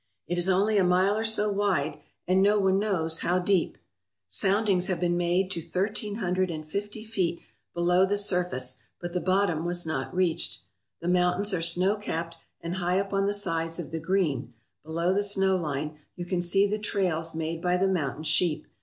It is only a mile or so wide, and no one knows how deep. 257 ALASKA OUR NORTHERN WONDERLAND Soundings have been made to thirteen hundred and fifty feet below the surface but the bottom was not reached. The mountains are snow capped, and high up on the sides of the green, below the snow line, you can see the trails made by the mountain sheep.